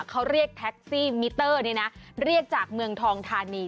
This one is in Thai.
เขาเรียกแท็กซี่มิเตอร์เรียกจากเมืองทองทานี